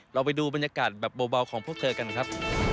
เราไปดูบรรยากาศแบบเบาของพวกเธอกันครับ